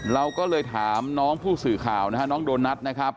เราก็เลยถามน้องผู้สื่อข่าวนะฮะน้องโดนัทนะครับ